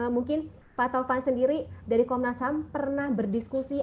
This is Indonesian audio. mungkin pak taufan sendiri dari komnas ham pernah berdiskusi